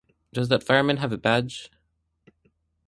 Does that fireman have a badge?